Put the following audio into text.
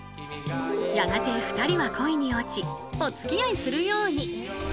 やがて２人は恋に落ちおつきあいするように。